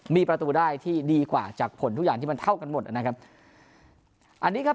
มีประตูได้ที่ดีกว่าจากผลทุกอย่างที่มันเท่ากันหมดนะครับอันนี้ครับ